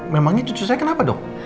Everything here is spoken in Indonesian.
memangnya cucu saya kenapa dok